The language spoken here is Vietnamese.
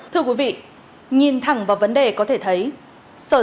thưa quý vị nhìn thẳng vào vấn đề có thể thay đổi